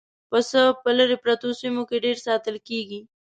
پسه په لرې پرتو سیمو کې ډېر ساتل کېږي.